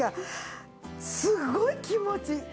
すごい気持ちいい。